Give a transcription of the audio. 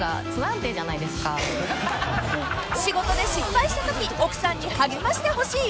［仕事で失敗したとき奥さんに励ましてほしい？］